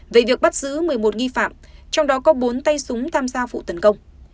về việc bắt giữ một mươi một nghi phạm trong đó có bốn tay súng tham gia vụ tấn công